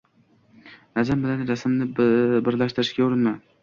Nazm bilan nasrni birlashtirishga urinma.